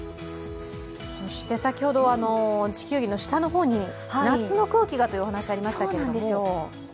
そして先ほど、地球儀の下の方に夏の空気がというお話ありましたけれども？